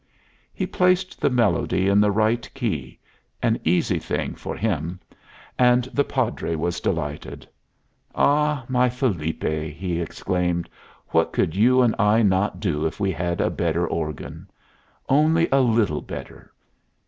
He placed the melody in the right key an easy thing for him; and the Padre was delighted. "Ah, my Felipe," he exclaimed, "what could you and I not do if we had a better organ! Only a little better!